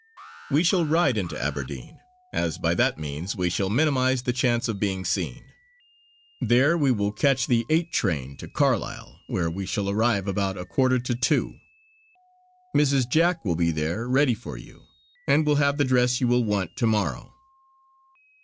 We shall ride into Aberdeen as by that means we shall minimise the chance of being seen. There we will catch the eight train to Carlisle where we shall arrive about a quarter to two. Mrs. Jack will be there ready for you and will have the dress you will want to morrow."